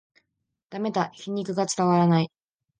ダメだ、皮肉が伝わらない